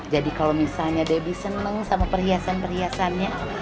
jadi kalo misalnya debbie seneng sama perhiasan perhiasannya